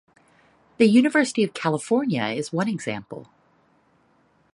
The University of California is one example.